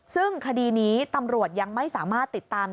ซึ่งคดีนี้ตำรวจยังไม่สามารถติดตาม